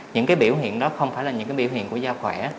những biểu hiện đó không phải là những biểu hiện của da khỏe